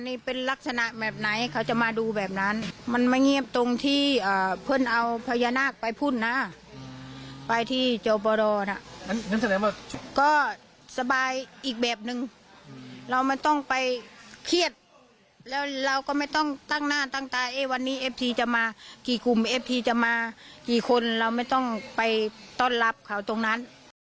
นี่เป็นลักษณะแบบไหนเขาจะมาดูแบบนั้นมันไม่เงียบตรงที่เพื่อนเอาพญานาคไปพ่นนะไปที่จบรอนะก็สบายอีกแบบนึงเราไม่ต้องไปเครียดแล้วเราก็ไม่ต้องตั้งหน้าตั้งตาเอ๊วันนี้เอฟทีจะมากี่กลุ่มเอฟทีจะมากี่คนเราไม่ต้องไปต้อนรับเขาตรงนั้น